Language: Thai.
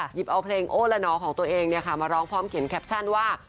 หยิบเอาเพลงโอ้ละนอของตัวเองมาร้องพร้อมเขียนแคปชั่นว่า